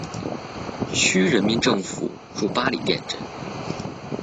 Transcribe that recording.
区人民政府驻八里店镇。